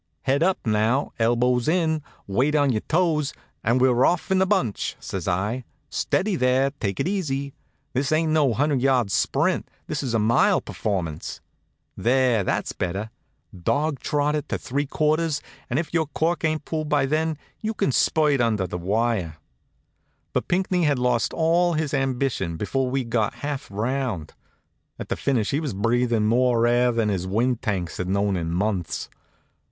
"Head up now, elbows in, weight on your toes, an' we're off in a bunch!" says I. "Steady there, take it easy! This ain't no hundred yard sprint; this is a mile performance. There, that's better! Dog trot it to the three quarters, and if your cork ain't pulled by then you can spurt under the wire." But Pinckney had lost all his ambition before we'd got half round. At the finish he was breathin' more air than his wind tanks had known in months.